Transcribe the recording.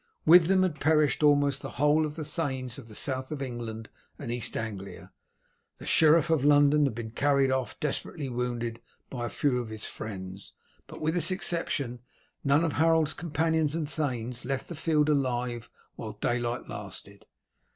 With them had perished almost the whole of the thanes of the South of England and East Anglia. The Sheriff of London had been carried off desperately wounded by a few of his friends, but with this exception none of Harold's companions and thanes left the field alive while daylight lasted.